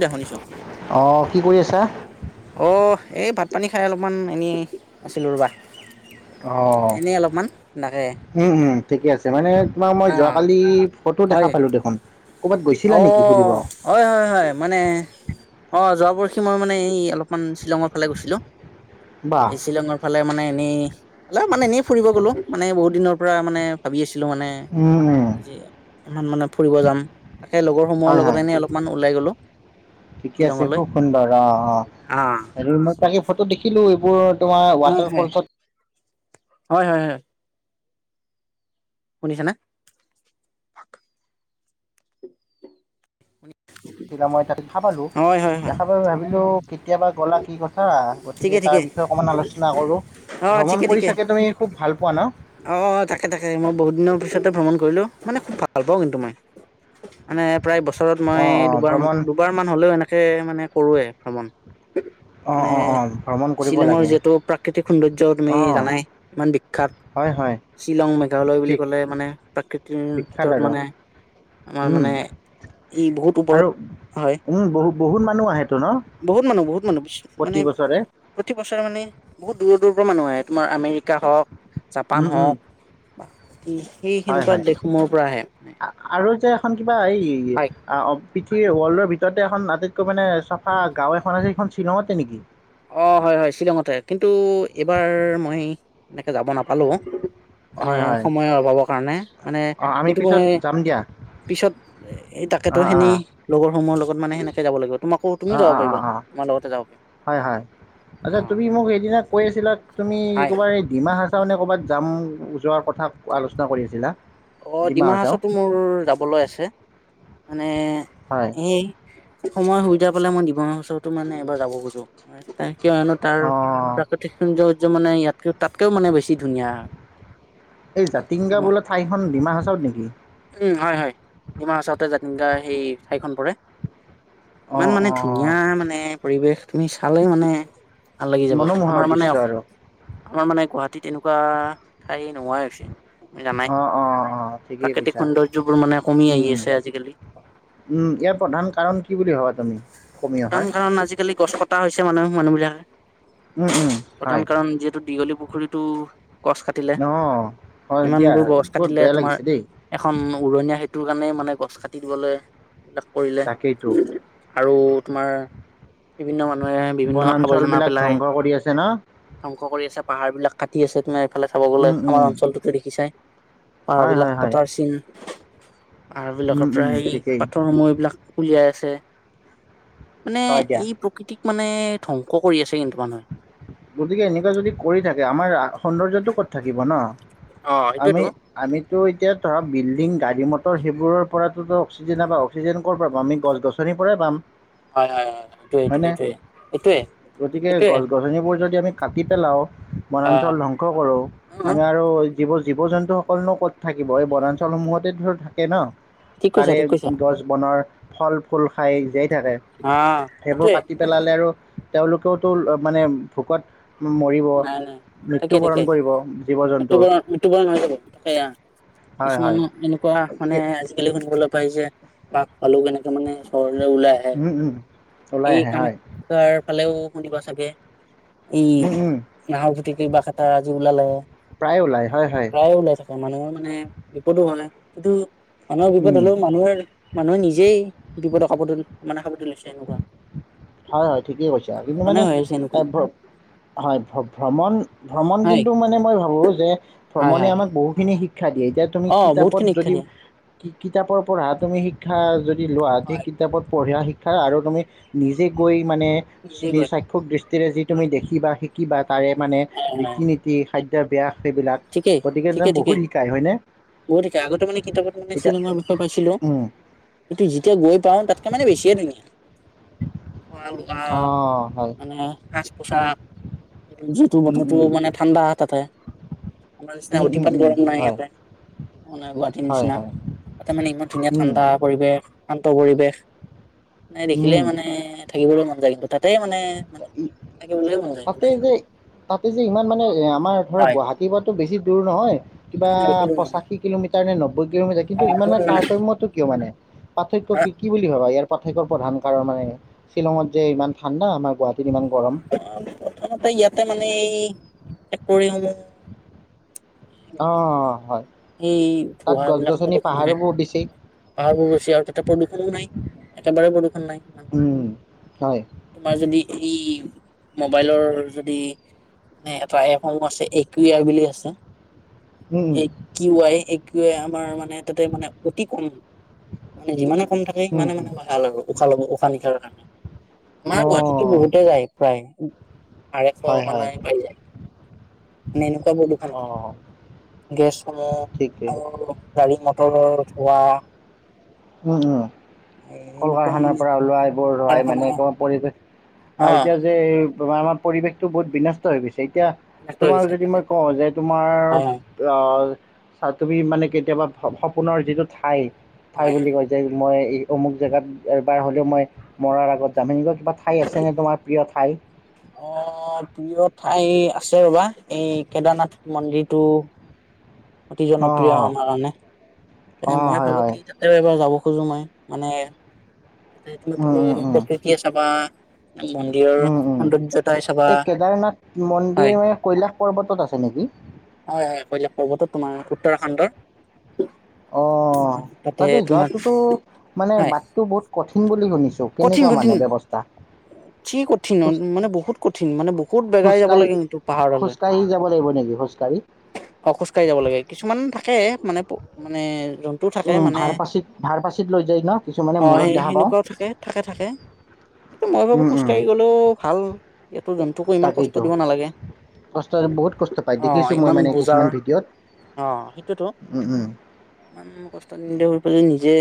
দে শুনিছো। অ কি কৰি আছা? অ' এই ভাত পানী খাই অলপমান এনেই আছিলোঁ ৰ'বা। অ এনেই অলপমান। তাকে। উম উম ঠিকে আছে মানে।। তোমাৰ মই অ' যোৱাকালি ফটো দেখা হয় পালো দেখোন? ক'ৰবাত গৈছিলা অ নেকি ফুৰিব? হয় হয় হয় মানে অ যোৱা গৈছি।। তোমাৰ মানে এই অলপমান শ্বিলঙৰ ফালে গৈছিলো। বাহ, এই শ্বিলঙৰ ফালে মানে এনেই।। অলপ মানে এনেই ফুৰিব গ'লো মানে বহুত দিনৰ পৰা মানে ভাবি আছোঁ। ছিলো মানে উম, উম, আজি ইমান মানে ফুৰিব যাম। তাকে লগৰ সমূহৰ হয় লগত হয় এনেই অলপমান ওলাই গ'লো ঠিকে আছে শ্বিলঙলৈ। খুব সুন্দৰ অ অ অ' আৰু মই তাকে ফটো দেখিলোঁ। পুৱোত।। তোমাৰ হয় ৱাটাৰ হয় ফলছত।। হয় হয় হয় শুনিছা নে? শ্বিলংৰ তাত।। দেখা পালোঁ হয় হয় হয় দেখা পায় ভাবিলোঁ কেতিয়াবা গ'লা কি কথা আচ্ছা ঠিকে গতিকে তাৰ ঠিকে বিষয়ে অকণমান আলোচনা কৰোঁ অ ভ্ৰমণ ঠিকে কৰি ঠিকে চাগে তুমি খুব ভাল পোৱা ন? অ তাকে তাকে মই বহুত দিনৰ পিছতে ভ্ৰমণ কৰ কৰিলও মানে খুব ভাল পাওঁ কিন্তু মই মানে প্ৰায় বছৰত মই অ', অ', দুবাৰ ভ্ৰমণ দুবাৰ মান হলেও এনেকে মানে কৰোয়ে ভ্ৰমণ অ', মানে অ', অ', ভ্ৰমণ কৰিব শ্বিলঙৰ লাগে যিহেতু প্ৰাকৃতিক সৌন্দৰ্য তুমি অ', জানাই ইমান বিখ্যাত হয়, হয়, শ্বিলং মেঘালয় বুলি ঠিক ক'লে মানে প্ৰাকৃতিৰ বিখ্যাত ভিতৰত আৰু। মানে [inaudible] ই বহুত ওপৰত আৰু হয় বহু বহুত মানুহ আহেতো ন বহুত প্ৰতি বছৰে অ মানে বহুত [unintelligible] দূৰ দূৰ মানু আহ তোমাৰ আমৰিকাওক জাপান উম, উম, হওক বা [inaudible] কি সেই হয়, সেনেকুৱা হয়। দেশৰ পৰা আহে মানে আ- আৰু যে এখন কিবা এই অ পৃথিৱ ৱৰ্ল্ডৰ ভিতৰতে এখন আটাইতকৈ মানে চাফা গাঁও এখন আছে সেইখন শ্বিলঙতে নেকি অ হয় হয় শ্বিলঙতে কিন্তু এইবাৰ মই এনেকে যাব নাপালো মানে হয়, হয়। সময়ৰ অভাৱৰ কাৰণে মানে অ' আমি কিন্তু পিছত মই যাম দিয়া। পিছত এই তাকেতো অ', খেনি অ', লগৰ সময়হৰ লগ মানেনেকে যাবাগিব [unintelligible] তোমাকো তুমি অ', যাব অ', পাৰিবা অ', অ', তোমাৰ লগতে যাব পাৰিবা হয়, হয়। আচ্ছা তুমি মোক সেইদিনা কৈ আছিলা তুমি হয় কবাৰ এই ডিমা তাৰ মমানে ক'ৰবাত জাম যোৱাৰ কথা আলোচনা কৰি আছিলা অ ডিমা হাচতো মোৰ যাবলৈ আছে মানে হয়। এই [inaudible] সময় সুবিধা পালেই মই ডিবনৰৰ ওচৰতো মানে এবাৰ যাব খোজো তাই কিয় হেনো তাৰ অ' প্ৰাকৃতিক সুন্দ্য মানে ইয়াতকে তাতকেও মানে বেছি ধুনীয়া [inaudible] এই জাতিংগা তোমাৰ বোলে ঠাইখন ডিমা হ চব নেকি উম হয় হয় হিমাহাচাতে জতিং গা সেই ঠাইখন পৰে [inaudible] ইমান অ', মানে অ'। ধুনীয়া মানে পৰিৱেশ তুমি চালেই মানে ভাল লাগি যাব মনোমোহা আমাৰ মানে দৃশ্য আৰু আমাৰ মানে কোৱা তেনেকুৱা ঠাই নোহোৱাই হৈছে জানাই প্ৰাকৃতিক া সৌন্দৰ্যবোৰ মানে কমি আহি উম আছে আজিকালি উম ইয়াৰ প্ৰধান কাৰণ কি বুলি ভবা আমি প্ৰধান কাৰণ আজিকালি গছ প তা হৈছে মানুহ মানুহ বিলাকে উম উম প্ৰধান হয় কাৰণ যিহেতু দীঘলী পু পুখুৰীটো গছ কাটিলে অঁ হয় দিয়া ইমানবোৰ গছ বহুত কাটিলে বেয়া তোমাৰ লাগিছে দেই এখন উৰণীয়া সে টো কাৰণে মানে গছ কাটি দিবলৈ লাক কৰিলে তাকেইতো আৰু তোমাৰ বিভিন্ন মান বনাঞ্চল বিলাক ধ্বংস কৰি আছে ন ংস কৰি আছে পাহাৰ বিলাক কাটি আছে তোমে ফালে চাব গ'লে উম উম আমাৰ অঞ্চলটোতো দেখি চাই পাহাৰ হয় বিলাক হয় হয় কাটাৰ চিন উম আহবলাকৰ উম প্ৰায় ঠিকেই পাথৰসমূহ এইবিলাক উলিয়াই ছে মানে হয় দিয়া এই প্ৰকৃতি মানে ধ্বংস কৰি আছে কিন্তু মানুহে গতিকে এনেকুৱা যদি কৰি থাকে আমাৰ সৌন্দৰ্যটো ক'ত থাকিব ন অ আমি সেইটোয়েতো আমি ত' এতিয়া ধৰাক বিল্ডিং গাড়ী মটৰ সেইবোৰৰ পৰা অক্সিজেন অক্সিজেন ক'ৰ পৰা পাম আমি গছ গছনিৰ পৰাই পাম হয় হয় হয় হয়নে এইটো গতিকে এইটোৱেই গছ গছনিবোৰ যদি আমি কাটি পেলাওঁ বনাঞ্চল অ ধ্বংস কৰোঁ আমি আৰু যিবোৰ জীৱ জন্তুসকলনো ক'ত থাকিব এই বনাঞ্চলসমূহতে ধৰ থাকে ন ঠিক কৈছা তাৰে ঠিক কৈছা গছ বনৰ ফল ফুল খাই যে থাকে অ সেইবোৰ সেইটোৱে কাটি পেলালে আৰু তেওঁলোকেও মানে ভোকত নাই নাই তাকে মৃত্যুবৰণ তাকে কৰিব জীৱ ইু জন্তুৰ ইটোুব ন তাকে হয় হয় কিছুমানো এনেকুৱা মানে গতিকে আজিকালি শুনিবলৈ পাইছে বাাক পালেও কেনেকে মানে চ ওলাই আহে উম, উম, ওলাই এই আহে হয় কামাখ্যাৰ ফালেও খদি ভা চাগে এই উম, উম, নাহৰ জুতি কিবা এটা আজি ওলালে প্ৰায় ওলায় হয় হয় প্ৰায়ে ওলাই থাকে মানুহৰ মানে বিপদো কিন্তু মানুহৰ বিপদ উম, হ'লেও মানুহে মানুহে নিজেই বিপদৰ কাপোৰ মানে কাপোৰত লৈছে এনেকুৱা হয় হয় ঠিকেই কৈছা কিন্তু মানুহৰ কাৰণে মানে হৈ আছে এনেকুৱা হয় [unintelligible] ভ্ৰমণ ভ্ৰমণ হয় কিন্তু মানে মই ভাবো যে হয় ভ্ৰমণে হয় হয় আমাক বহুখিনি শিক্ষ- শিক্ষা দিয়ে এতিয়া তুমি অ বহুত কিতাপত খিনি শিক্ষা যদি দিয়ে কিতাপৰ পঢ়া তুমি শিক্ষা যদি লোৱা সেই হয় কিতাপত পঢ়া শিক- আৰু তুমি নিজ- জে কৈ মানে নিজে দৃ গৈ সাক্ষ দৃষ্টি যি তুমি দেখিবা শিকিবা তাৰে মানে ৰীতি নীতি খাদ- এতিয়া বিয়া ঠিকেই ঠিকে ঠিকেই হয়নে বহুত শিকায় আগতে মানে কিতাপত মানে এতিয়া শ্বিলঙৰ বিষয় পাইছিলো উম, কিন্তু যেতিয়া গৈ পাওঁ তাতকে মানে বেছিয়ে ধুনীয়া। খোৱা লোৱা অঁ হয় মানে সাজ পোচাক যিহেতু উম বতৰো উম মানে ঠাণ্ডা তাতে আমাৰ নিচিনা উম উম অতিপাত উম গৰম নাই হয় ইয়াতে মানে গুৱাহাটীৰ হয় নিচিনা হয় ইয়াতে মানে ইমান ধুনীয়া উম ঠাণ্ডা পৰিৱেশ শান্ত পৰিৱেশ নাই দেখিলে উম মানে থাকিবলৈ মন যায় কিন্তু তাত। তে মানে থাকিবলৈ মন যায় তাতে সদায় যে মানে। তাতে যে ইমান মানে এ আম- আমাৰ ধৰ হয় গুৱাহাটী পৰাতো বেছি দূৰ নহয় কিবা পঁচাশী কিলোমিটাৰ নে নব- [unintelligible] যায় কিন্তু ইমান মানে তাৰতম্যতো কিয় মানে পাৰ্থক্য কি কি বুলি ভাবা ইয়াৰ পাৰ্থক্য প্ৰধান কাৰণে শ্বিলঙত যে ইমান ঠাণ্ডা আমাৰ গুৱাহাটী তিনিমান গৰম অ প্ৰথমতে ইয়াতে মানে এই ফেক্টৰিসমূহ অ হয় সেই তাত গছ ধোঁৱাবিলাক গছনি প্ৰদূষণ হয় পাহাৰবোৰ বেছি পাহাৰবোৰ বেছি আৰু তাতে প্ৰদূৰ্ষণো নাই একেবাৰে প্ৰদূৰণ নাই ম উম, হয় তোমাৰ যদি ই মোবাইলৰ যদি মে এটা এপসমূহ আছে এক বুলি আছে এ কি আইউ আই আমাৰ মানে তাতে মানে অতি কম মানে যিমানে থাকে মানে মানে ভাল হ'ব আৰু উশা নিশাহ নিশাৰণে আমাৰ অ গুৱাহাটীতো বহুতে যায় প্ৰায় আঢ়ৈশ হয় মানে হয় পাই যায় নাই প্ৰদূষণ অ গেছ ঠিকেই আৰু গাড়ী বত থোৱা উম উম কল এনেকুৱা কাৰখানাৰ মানে পৰা ওলাই বোৰ ধোৱাই কাৰখানা মানে পৰিৱেশ অ আৰু এতিয়া যে আমাৰ পৰিৱেশ বহুত বিনষ্ট হৈ গৈছে এতিয়া ইয়াত লৈ তোমাক গৈছে যদি তাকে মই কওঁ যে হয় হয় তোমাৰ আহ তুমি মানে কেতিয়াবা সপোনৰ যিটো ঠাই ঠাই হয় বুলি হয়। কয় যে মই অমুক জেগাত এবাৰ হ'লেও মই মৰাৰ আগত জামিন গৈ কিবা ঠাই আছেনে তোমাৰ প্ৰিয় ঠাই অ প্ৰিয় ঠাই আছে ৰ'বা এই কেদাৰনাথ মন্দিৰটো অতি জনপ্ৰিয় অঁ আমাৰ কাৰনে এ অঁ মই হয় ভাবোঁ হয় কি, যাতে - কিয় যাব খোজোঁ মই, মানে- উম উম [unintelligible] মন্দিৰৰ উম উম, সৌন্দৰ্যতাই চাবা এই কেদাৰনাথ হয় মন্দিৰ কৈলাশ পৰ্বতত আছে নেকি? হয় হয় কৈলাশ পৰ্বতত তোমাৰ উত্তৰাখণ্ডৰ। অহ, তাতে যোৱাটো তো, মানে হয় বাটটো বহুত কঠিন বুলি শুনিছোঁ। কঠিন কেনেকুৱা কঠিন। মানে ব্যৱস্থা আঠি কঠিন মান খোজ মানে বহুত কঠিন, মানে বহুত বেগাই যাব খোজকাঢ়ি লাগে কিন্তু পাহাৰলৈ। খোজকাঢ়ি যাব লাগিব নেকি খোজকাঢ়ি অহ, খোজকঢ়ি যাব লাগে। কিছুমান থাকে- কে মানে পু মানে- জন্তু থাকে উম মানে ভাৰ পাচিত, ভাৰ পাচিত লৈ যায় ন, কিছুমানে মূৰত দেখা পাওঁ। এটা থাকে। কিন্তু মই ভাবোঁ উম উম খোজকাঢ়ি গ'লেও ভাল। ইয়াত - ত' জন্তুকো ইমান কষ্ট তাকেইতো দিব নালাগে। কষ্ট বহুত কষ্ট পায় অ' দেখিছোঁ মই ইমান মানে বোজা। কিছুমান ভিডিঅ'ত অ' সেইটোৱেতো। উম উম ইমান কষ্ট [unintelligible] নিজে।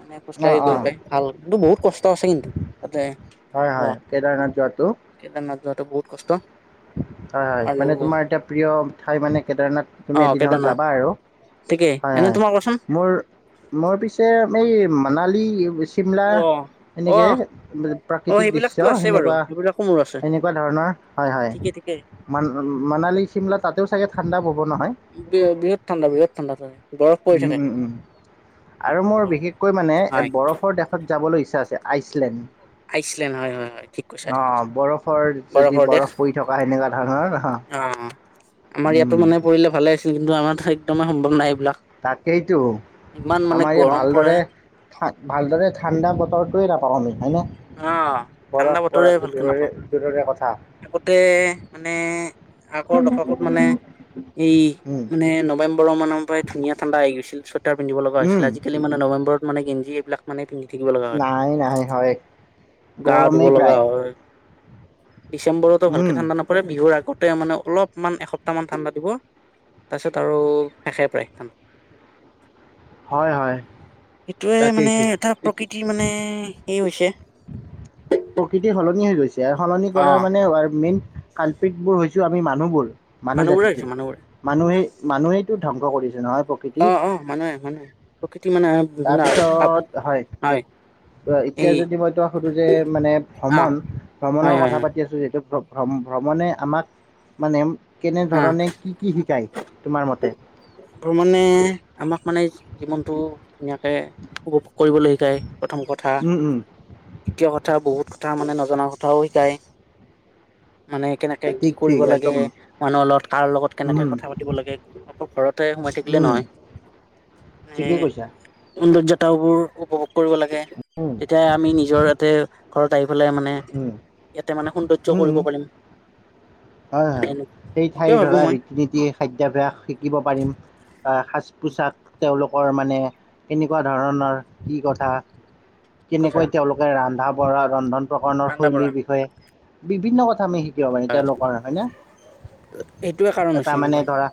মানে অঁ খোজকাঢ়ি গৈ অঁ পাই। ভাল, কিন্তু বহুত- আছে কিন্তু তাতে- হয় হয়। কেদাৰনাথ যোৱাতো। টো বহুত কষ্ট। হয় হয়, আৰু মানে তোমাৰ এতিয়া প্ৰিয় ঠাই মানে কেদাৰনাথ অ তুমি এদিন হ'লেও কেদাৰনাথ যাবা আৰু। ঠিকেই হয় এনে হয়, তোমাৰ কোৱাচোন মোৰ মোৰ পিছে এই- মানালী অৱশ্যে- চিমলা অ অ এনেকে অ প্ৰাকৃতিক দৃশ্য, সেইবিলাকতো আছে বাৰু সেনেকুৱা সেইবিলাকো মোৰ আছে এেনেকুৱা ধৰণৰ। হয় হয়। ঠিকে ঠিকে মান, মানালী চিমলা তাতেও চাগে ঠাণ্ডা বহুত। উম, বহুত ঠাণ্ডা বহুত ঠাণ্ডা ঠাই। উম উম উম। আৰু মোৰ বিশেষকৈ মানে এ হয় বৰফৰ দেশত যাবলৈ ইচ্ছা আছে। যে আইচলেণ্ড। আইচলেণ্ড হয়, হয়, হয়, ঠিক কৈছা ঠিক অ' কৈছো। বৰফৰ যদি বৰফৰ দেশ। বৰফ পৰি থকা সেনেকুৱা ধৰণৰ অ'। অঁ, আমাৰ ইয়াতো উম, মানে পৰিলে ভালে আছিল, কিন্তু আমাৰ একদমেই সম্ভৱ নাই এইবিলাক। তাকেইতো। ইমান মানে আমাৰ ইয়াত গৰম পৰে ভালদৰে- থা, ভালদৰে ঠাণ্ডা বতৰত- অ', ঠাণ্ডা বৰফ বতৰে পৰাটো ভালকে দূৰৰে নাপাওঁ। দূৰৰে কথা। আগতে মানে আগৰ দশকত মানে, এই উম, মানে নৱেম্বৰৰ মানৰ- পৰাই ধুনীয়া ঠাণ্ডা আহিগৈছিল চত- চোৱেতাৰ পিন্ধিব লগা উম, হৈছিল। আজি-কালি মানে নৱেম্বৰত- মানে গেঞ্জি এইবিলাক মানে। পিন্ধি থাকিব লগা নাই হয়। নাই হয় গা ধুব গৰমেই লগা প্ৰায়। হয়। ডিচম্বৰতো ভালকে উম, ঠান্ডা নপৰে বিহুৰ আগত। মানে অলপমান এসপ্তাহ মান ঠাণ্ডা দিব, তাৰপিছত আৰু শেষেই প্ৰায় ঠাণ্ডা। হয় হয় সেইটোয়ে মানে তাকেইতো। এটা এতি প্ৰকৃতিৰ মানে। হৈছে। প্ৰকৃতি সলনি হৈ গৈছে। ইয়াৰ সলনি অ কৰা মানে মেইন। কালপিতবোৰ হৈছো আমি মানুহবোৰ। মানুহ মানুহবোৰে হৈছে জাতিটো মানুহবোৰে মানুহে মানুহে এই ধ্বংস কৰিছে নহয় প্ৰকৃতি অ অ মানুহে মানহে প্ৰকৃতি মানে বিভিন্ন হয় এতিয়া যদি মই তোমাক সোধোঁ যে এই মানে অ ভ্ৰমণ হয় ভ্ৰমণৰ হয় কথা পাতি আছো যে ভ্ৰমণে আমাক মানে হয় অ কেনেধৰণে কি কি শিকায় তোমাৰ মতে ভ্ৰমণে আমাক মানে জীৱনতটো ধুনীয়াকে উপভোগ কৰিব লাগিব ই প্ৰথম কথা উম উম দ্বিতীয় কথা বহুত ব কথা মানে নজনা কথাও শিকায় মানে কেনেকে কি ঠিক কৰিব ঠিক লাগে একদম মানুহৰ লগত কাৰ লগত কেনেকে উম কথা পাতিব লাগে সোমাই থাকিলে উম নহয় এ ঠিকেই কৈছা সৌন্দৰ্যতাবোৰ উপভোগ কৰিব লাগে উম তেতিযয়া আমি নিজৰ ইয়াতে ঘৰ টাইম ফালে মানে উম ইয়াতে মানে সৌন্দৰ্য সহ উম উম, কৰিব পাৰিম হয় মানে হয় সেই সেইটোৱে ঠাইৰ ভাবো ধৰা মই ৰীতি নীতি খাদ্যাভ্যাস শিকিব পাৰিম সাজ পোছাক তেওঁলোকৰ মানে কেনেকুৱা ধৰণৰ কি কথা কি কৈছা কিনেকৈ তেওঁলোকে ৰান্ ৰন্ধন প্ৰকৰণৰ ৰন্ধা বঢ়া শৈলীৰ বিষয়ে বিভিন্ন চামি শিকিব পাৰি তেওঁলোক হয়না এইটোৱে কাৰণ হৈছে তাৰ মানে এনেকুৱা ধৰা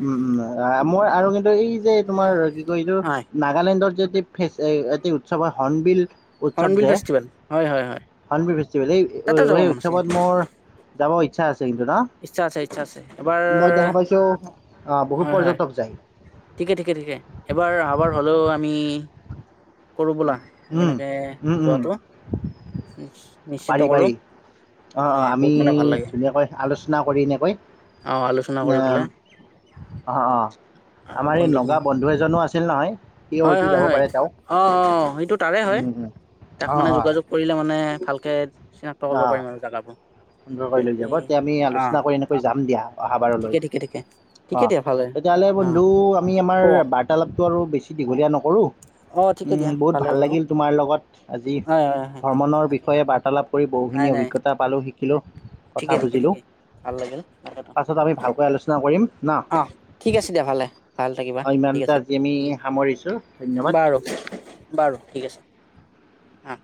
উম উম মোৰ আৰু কিন্তু এই যে তোমাৰ গৈ হয় নাগালেণ্ডৰ যে এ ফেচ এটি উৎসৱ হয় হৰ্ণবিল উৎসৱ হৰ্ণবিল যে ফেষ্টিভেল হয় হয় হয় হৰ্ণবিল ফেষ্টিভেল এই তাতে যাব সেই মন আছে উৎসৱত মোৰ যাব আছা কিন্তু ন ইচ্ছা আছে ইচ্ছা আছে এবাৰ মই দেখা পাইছোঁ অ বহুত হয় হয় পৰ্যটক যায় ঠিকে ঠিকে ঠিকে এবাৰ আবাৰ হলেও আমি কৰোঁ বোলা উম এনেকৈ উম উম যোৱাটো নিশ্চিত পাৰি কৰো পাৰি অ এ অ আমি বহুত মানে ভাল লাগে ধুনীয়াকৈ আলোচনা কৰি এনেকৈ অ আলোচনা উ কৰি পেলাই অ অ আৰু আমাৰ এই বন্ধু নগা বন্ধু এজনো আছিল ন [unintelligible] হয় হয় হয় অ অ সেইটো তাৰে হয় তাক মানে যোগাযোগ কৰিলে মানে ভালকৈ অ সুন্দৰ কৰি লৈ যাব এই তেতিয়া আমি অ আলোচনা কৰি এনেকৈ যাম দিয়া অহাবাৰলৈ ঠিকে ঠিকে ঠিকে অ ঠিকে দিয়া ভালে তেতিয়াহ'লে অ বন্ধু আমি আমাৰ অ বাৰ্তালাপটো আৰু বেছি দিঘলীয়া নকৰো অ ঠিকে উম দিয়া বহুত ভালে ভাল বাৰু লাগিল তোমাৰ লগত আজি হয় হয় হয় ভ্ৰণৰ তাকে বিষয়ে বাৰ্তালাপ বহুখিনি নাই নাই অভিজ্ঞতা পালো শি কিলো কথা ঠিকে ঠিকে বুজিলোঁ ঠিকে ভাল লাগিল পাছত আমি ভালকৈ আলোচনা কৰিম ন অ ঠিক আছে দিয়া ভালে ভাল থাকিবা অঁ ঠিক ইমানতে আছে আজি আমি সামৰিছোঁ ধন্যবাদ বাৰু বাৰু ঠিক আছে আহ